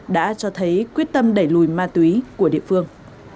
đã cho thấy quyết tâm đẩy lùi ma túy của địa phương